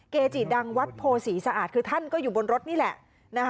เกจิดังวัดโพศรีสะอาดคือท่านก็อยู่บนรถนี่แหละ